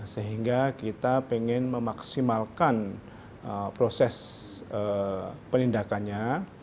sehingga kita ingin memaksimalkan proses penindakannya